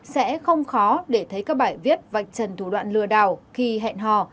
sẽ không khó để thấy các bài viết vạch trần thủ đoạn lừa đảo khi hẹn hò